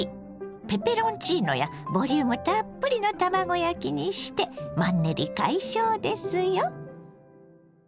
ペペロンチーノやボリュームたっぷりの卵焼きにしてマンネリ解消ですよ。